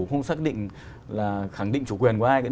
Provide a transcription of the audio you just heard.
không xác định là khẳng định chủ quyền của ai đến